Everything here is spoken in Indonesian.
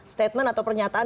statement atau pernyataan